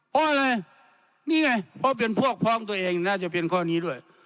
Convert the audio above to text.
เพราะอะไรนี่ไงเพราะเป็นพวกพ้องตัวเองน่าจะเป็นข้อนี้ด้วย